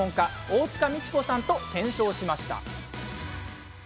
大塚美智子さんと検証しました。